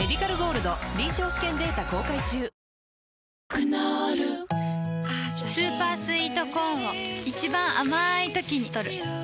クノールスーパースイートコーンを一番あまいときにとる